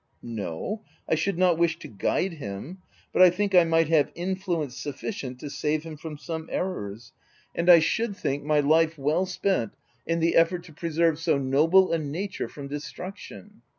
" No ; I should not wish to guide him ; but I think I might have influence sufficient to save him from some errors, and I should think my life well spent in the effort to preserve so noble a nature from destruction.